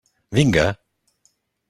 Vinga!